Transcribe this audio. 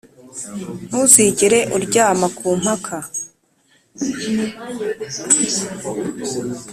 ntuzigere uryama ku mpaka